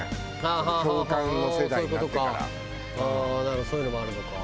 うんそういうのもあるのか。